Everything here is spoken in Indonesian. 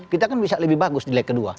kita kan bisa lebih bagus di leg kedua